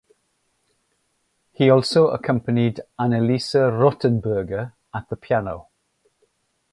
He also accompanied Anneliese Rothenberger at the piano.